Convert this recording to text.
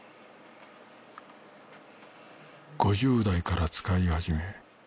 ５０代から使い始め